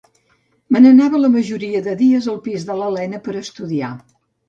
Me n’anava la majoria de dies al pis de l’Elena per estudiar.